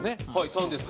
３です。